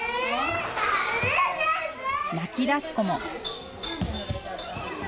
泣きだす子も。